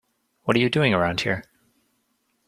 What are you doing around here?